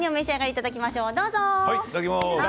いただきます。